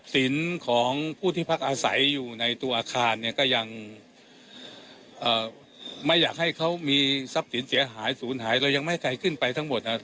สินเสียหายศูนย์หายเรายังไม่ไกลขึ้นไปทั้งหมดอ่า